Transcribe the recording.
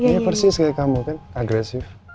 iya persis kayak kamu kan agresif